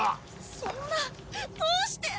そんなどうして。